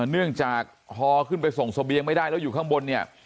เนื่องจากฮอขึ้นไปส่งเสบียงไม่ได้แล้วอยู่ข้างบนเนี่ย